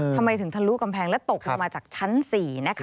ทำไมถึงทะลุกำแพงแล้วตกลงมาจากชั้น๔นะคะ